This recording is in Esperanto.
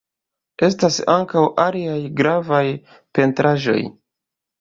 Estas ankaŭ aliaj gravaj pentraĵoj.